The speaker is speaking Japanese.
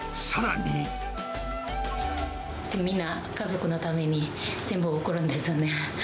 皆、家族のために全部送るんですよね。